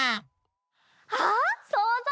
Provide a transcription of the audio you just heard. あっそうぞう！